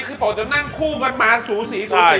คือผมจะนั่งคู่มันมาสูสีสูสี